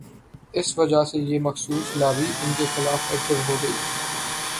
اس وجہ سے یہ مخصوص لابی ان کے خلاف ایکٹو ہو گئی۔